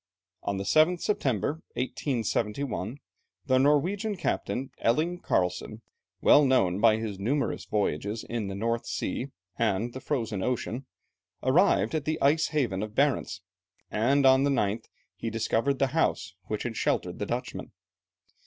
On the 7th September, 1871, the Norwegian Captain, Elling Carlsen, well known by his numerous voyages in the North Sea and the Frozen Ocean, arrived at the ice haven of Barentz, and on the 9th he discovered the house which had sheltered the Dutchmen.